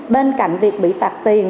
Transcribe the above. bên cạnh việc bị phạt tiền